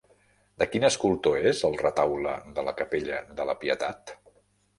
De quin escultor és el retaule de la capella de la Pietat?